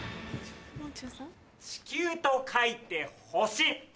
「地球」と書いて「ホシ」。